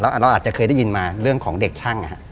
เราอาจจะเคยได้ยินมาเรื่องของเด็กช่าง